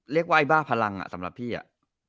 เรียกว่าไอ้บ้าพลังสำหรับพี่อะ